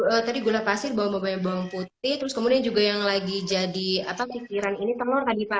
oke tadi gula pasir bawang bombay bawang putih terus kemudian juga yang lagi jadi pikiran ini telur tadi pak